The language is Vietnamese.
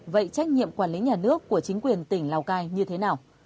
vậy trách nhiệm quản lý nhà nước của chính quyền tỉnh lào cai như thế nào